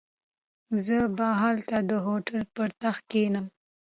زه به هلته د هوټل پر تخت کښېنم.